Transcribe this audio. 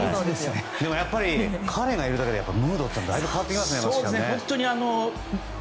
でも、やっぱり彼がいるだけで